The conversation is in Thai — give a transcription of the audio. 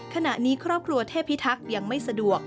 ขณะนี้ครอบครัวเทพิทักษ์ยังไม่สะดวก